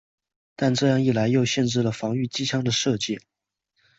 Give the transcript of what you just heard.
但这样一来又限制了防御机枪的射界。